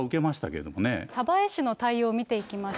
けれ鯖江市の対応を見ていきまし